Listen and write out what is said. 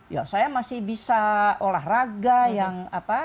ya saya masih bisa olahraga yang apa